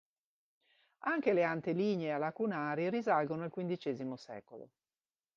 Anche le ante lignee a lacunari risalgono al quindicesimo secolo.